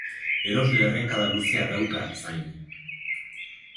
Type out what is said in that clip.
Erosle errenkada luzea dauka zain.